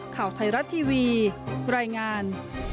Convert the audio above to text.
ข่าวไทยรัฐทีวีรายงาน